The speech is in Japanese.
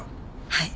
はい。